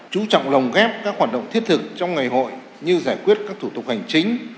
chú trọng lồng ghép các hoạt động thiết thực trong ngày hội như giải quyết các thủ tục hành chính